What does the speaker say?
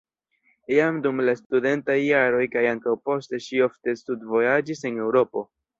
Jam dum la studentaj jaroj kaj ankaŭ poste ŝi ofte studvojaĝis en Eŭropo.